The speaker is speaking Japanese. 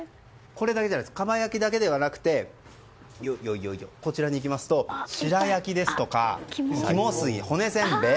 かば焼きだけじゃなくて白焼きですとか肝吸い、骨せんべい